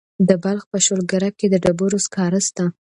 د بلخ په شولګره کې د ډبرو سکاره شته.